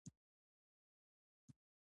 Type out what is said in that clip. دوی شاتو ته دوامداره هوا ورکوي.